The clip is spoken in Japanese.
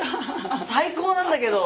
最高なんだけど。